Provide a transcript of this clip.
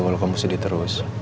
kalau kamu sedih terus